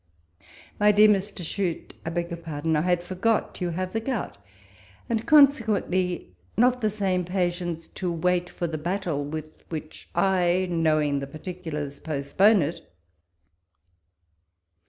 My dear Mr. Chute, I beg your pardon ; 1 had forgot you have the gout, and consequently not the same patience to wait for the battle, vvith which I, knowing the particulars, postpone it.